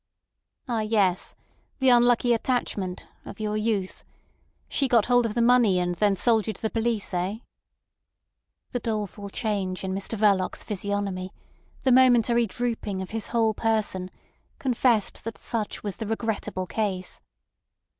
"Ah, yes. The unlucky attachment—of your youth. She got hold of the money, and then sold you to the police—eh?" The doleful change in Mr Verloc's physiognomy, the momentary drooping of his whole person, confessed that such was the regrettable case.